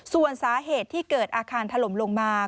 ส่วนสาเหตุที่เกิดอาคารถล่มลงมา